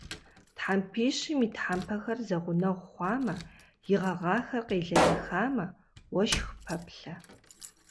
Тхьэмпищым и тхьэмпэхэр зэгъунэгъу хъуамэ, и гъэгъахэр къелэлэхамэ, уэшх пэплъэ.